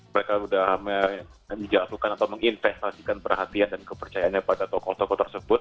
mereka sudah menjatuhkan atau menginvestasikan perhatian dan kepercayaannya pada tokoh tokoh tersebut